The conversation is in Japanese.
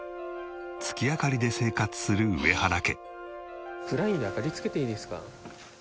月明かりで生活する上原家。